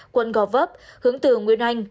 quận gò vấp hướng từ nguyễn oanh